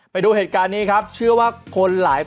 มิตเตอร์หรือเปล่า